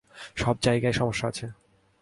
সব জায়গায়ই সমস্যা আছে।